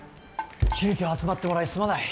急きょ集まってもらいすまない。